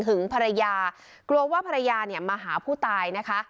หึงภรรยากลัวว่าภรรยามาหาผู้ตายนะคะ